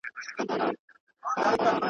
دوی پخپله هم یو بل سره وژله.